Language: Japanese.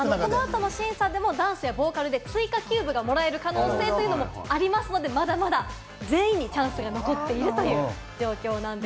この後の審査でも、ダンスやボーカルで追加キューブがもらえる可能性というのもありますので、まだまだ全員にチャンスは残っているという状況なんです。